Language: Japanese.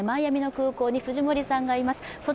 マイアミの空港に藤森さんがいます。